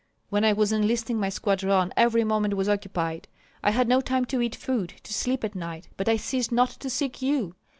When I was enlisting my squadron every moment was occupied; I had not time to eat food, to sleep at night, but I ceased not to seek you.